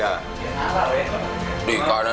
di kanan dikasih gusti allah